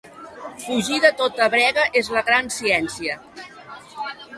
Fugir de tota brega és la gran ciència.